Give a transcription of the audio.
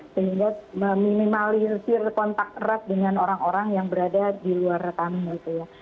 sehingga minimalisir kontak erat dengan orang orang yang berada di luar kami